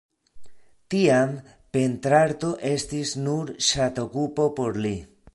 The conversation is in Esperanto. Tiam, pentrarto estis nur ŝatokupo por li.